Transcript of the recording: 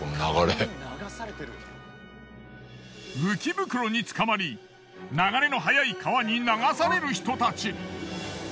浮き袋につかまり流れの速い川に流される人たち。